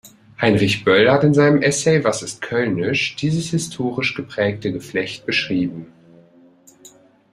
Heinrich Böll hat in seinem Essay "Was ist kölnisch" dieses historisch geprägte Geflecht beschrieben.